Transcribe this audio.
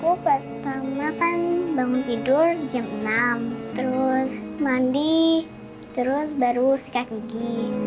kubat tanahkan bangun tidur jam enam terus mandi terus baru sekat gigi